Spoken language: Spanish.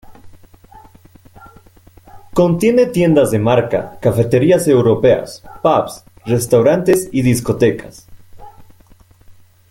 Contiene tiendas de marca, cafeterías europeas, pubs, restaurantes y discotecas.